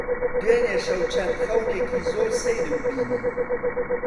دوێنێ شەو چەند خەونێکی زۆر سەیرم بینی.